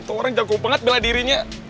tuh orang jago banget bela dirinya